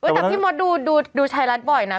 แต่พี่มดดูไทยรัฐบ่อยนะ